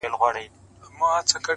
سړي و ویل قاضي ته زما بادار یې,